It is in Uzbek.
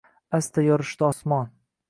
Asta yorishdi osmon.